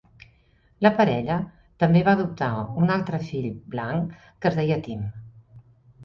La parella també va adoptar un altre fill, blanc, que es deia Tim.